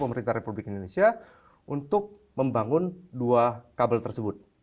pemerintah republik indonesia untuk membangun dua kabel tersebut